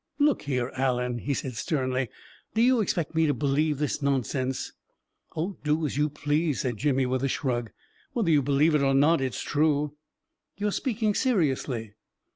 41 Look here, Allen," he said, sternly, " do you expect me to believe this nonsense ?"" Oh, do as you please," said Jimmy with a shrug. " Whether you believe it or not, it's true !"" You are speaking seriously?